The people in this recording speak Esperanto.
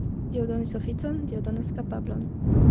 Dio donis oficon, Dio donas kapablon.